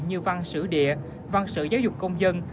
như văn sử địa văn sử giáo dục công dân